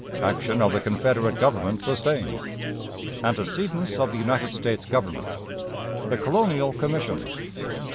Action of the Confederate Government sustained. Antecedents of the United States Government. The Colonial Commissions.